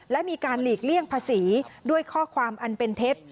และมีการหลีกเลี่ยงภาษีด้วยข้อความอันเป็นเท็จ